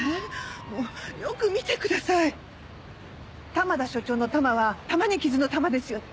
玉田署長の「玉」は玉に瑕の「玉」ですよね。